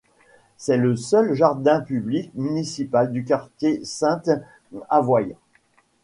C'est le seul jardin public municipal du quartier Sainte-Avoye.